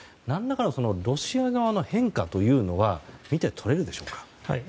何らかのロシア側の変化というのは見て取れるでしょうか。